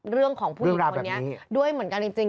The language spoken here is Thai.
เรื่องของผู้หญิงคนนี้ด้วยเหมือนกันจริง